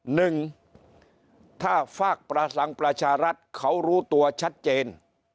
หนึ่งถ้าฝากประสังประชารัฐเขารู้ตัวชัดเจน